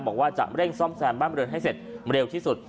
บอกว่าจะเร่งซ่อมแซมบ้านบริเวณให้เสร็จเร็วที่สุด